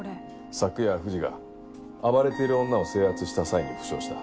昨夜藤が暴れている女を制圧した際に負傷した。